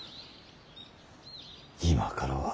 今からは。